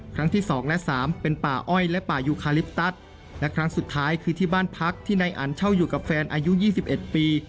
ครั้งที่สองและสามเป็นป่าอ้อยและป่ายูคาลิปตัสและครั้งสุดท้ายคือที่บ้านพักที่นายอันเช่าอยู่กับแฟนอายุ๒๑ปี